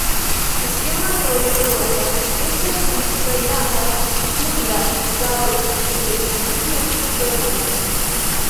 Sistema teorio longa estas koncernata kun la studado de komplikaj sistemoj.